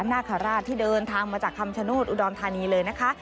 นาคนาศาสตร์ที่เดินทางมาจากคำชนูทอุดอนท่านีเลยนะคะ